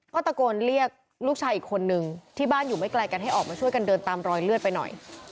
ก็ตะโกนเรียกลูกชายอีกคนนึงที่บ้านอยู่ไม่ไกลกันให้ออกมาช่วยกันเดินตามรอยเลือดไปหน่อย